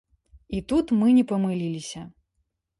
І тут мы не памыліліся.